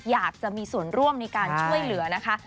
อยากจะมีส่วนร่วมในการช่วยเหลือนะคะ